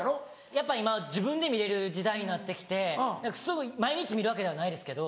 やっぱ今自分で見れる時代になって来てすごい毎日見るわけではないですけど。